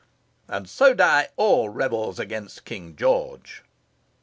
And so die all rebels against King George!"